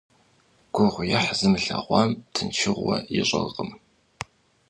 Гугъуехь зымылъэгъуам тыншыгъуэ ищӀэркъым.